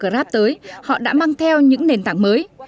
khi uber và grab tới họ đã mang theo những nền tảng mới